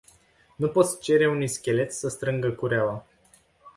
Nu poți cere unui schelet să strângă cureaua.